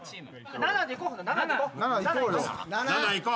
７いこう。